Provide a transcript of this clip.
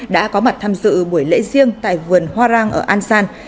đã có mặt tham dự buổi lễ riêng tại vườn hoa rang ở ansan